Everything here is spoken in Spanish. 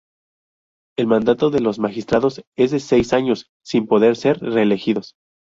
El mandato de los Magistrados es de seis años, sin poder ser reelegidos.